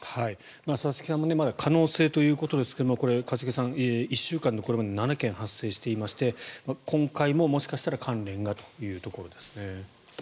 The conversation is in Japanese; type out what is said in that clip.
佐々木さんもまだ可能性ということですがこれ、一茂さん、１週間でこれまで７件発生していまして今回ももしかしたら関連がというところですね。